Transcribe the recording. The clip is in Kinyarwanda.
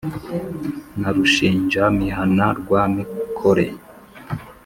na rushinja-mihana rwa mikore,